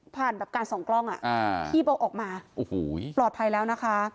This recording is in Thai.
ผ่านแบบการส่องกล้องอะพี่เอาออกมาปลอดภัยแล้วนะคะ